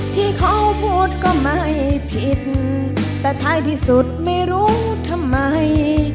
ที่เขาพูดก็ไม่ผิดแต่ท้ายที่สุดไม่รู้ทำไม